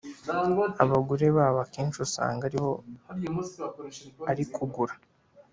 abagore babo akenshi usanga aribo ari kugura